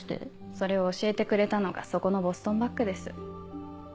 それを教えてくれたのがそこのボストンバッグです。